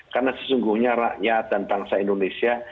karena sesungguhnya rakyat dan bangsa indonesia